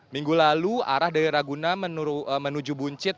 minggu lalu arah dari raguna menuju buncit